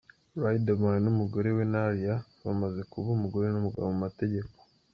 Riderman n’umugore we Naria bamaze kuba umugore n’umugabo mu mategeko.